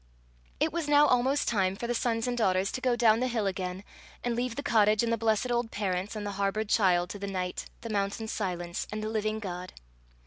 It was now almost time for the sons and daughters to go down the hill again, and leave the cottage and the blessed old parents and the harboured child to the night, the mountain silence, and the living God.